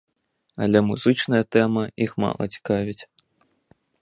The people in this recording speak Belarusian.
Але музычная тэма іх мала цікавіць.